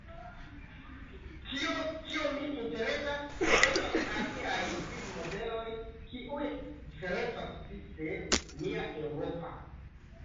Tio, kio min interesas, estas aliaj vivmodeloj, kiuj diferencas disde nia, eŭropa.